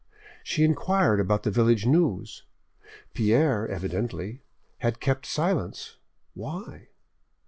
She inquired about the village news. Pierre, evidently, had kept silence why?